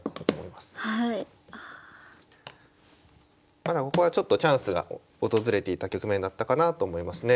まだここはちょっとチャンスが訪れていた局面だったかなと思いますね。